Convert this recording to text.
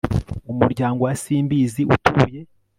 umuryango wa simbizi utuye